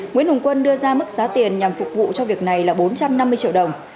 nguyễn hồng quân đưa ra mức giá tiền nhằm phục vụ cho việc này là bốn trăm năm mươi triệu đồng